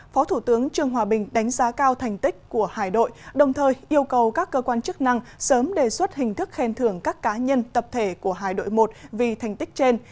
phó thủ tướng trương hòa bình đánh giá cao thành tích của hải đội đồng thời yêu cầu các cơ quan chức năng sớm đề xuất hình thức khen thưởng các cá nhân tập thể của hải đội một vì thành tích trên